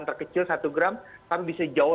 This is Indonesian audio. terkecil satu gram tapi bisa jauh